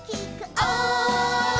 「おい！」